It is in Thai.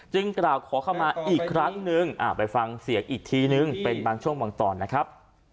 กล่าวขอเข้ามาอีกครั้งนึงไปฟังเสียงอีกทีนึงเป็นบางช่วงบางตอนนะครับ